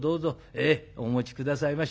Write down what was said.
ええお持ち下さいまし。